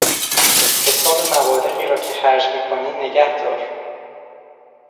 حساب مبالغی را که خرج میکنی نگهدار.